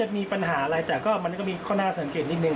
มีปัญหาอะไรแต่ก็มันก็มีข้อน่าสังเกตนิดนึ